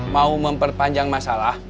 mau memperpanjang masalah